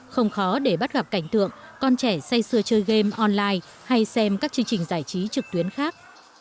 không khó để bắt gặp cảnh tượng con trẻ say xưa chơi game online hay xem các chương trình giải trí trực tuyến khác